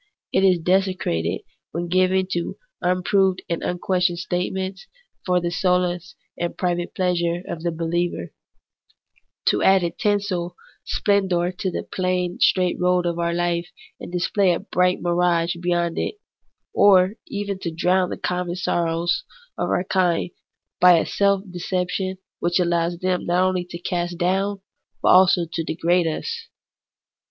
It is desecrated when given to unproved and unquestioned statements, for the solace and private pleasure of the believer ; to add a tinsel splendour to the plain straight road of our life and display a bright mirage beyond it ; or even to drown the common sorrows of our kind by a self deception which allows them not only to cast down, but also to degrade us.